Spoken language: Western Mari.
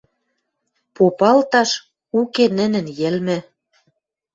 Попалташ — уке нӹнӹн йӹлмӹ.